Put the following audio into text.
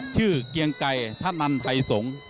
ชื่อเกียงไกรธนันไทยสงฆ์